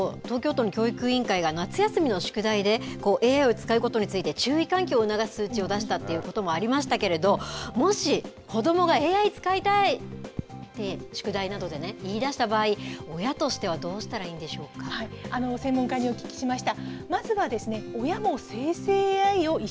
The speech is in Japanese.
なるほど、きょう東京都に教育委員会が夏休みの宿題でＡＩを使うことについて注意喚起を促す通知を出したということがありましたがもし子どもがＡＩ使いたい宿題などでね言い出した場合、親としては専門家にお聞きしました。